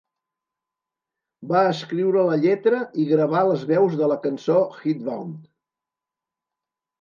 Va escriure la lletra i gravar les veus de la cançó Headwound.